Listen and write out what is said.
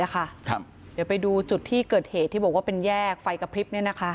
เดี๋ยวไปดูจุดที่เกิดเหตุที่บอกว่าเป็นแยกไฟกระพริบ